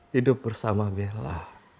hidup bersama bella